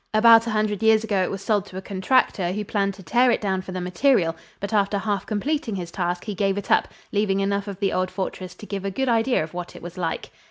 About a hundred years ago it was sold to a contractor who planned to tear it down for the material, but after half completing his task he gave it up, leaving enough of the old fortress to give a good idea of what it was like.